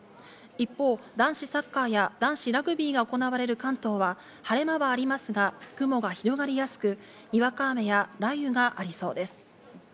一方、男子サッカーや男子ラグビーが行われる関東は晴れ間はありますが雲が広がりやすく、にわか雨や雷雨がありそうです。